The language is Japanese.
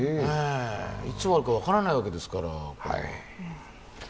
いつ終わるか分からないわけですから。